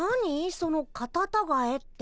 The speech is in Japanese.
そのカタタガエって。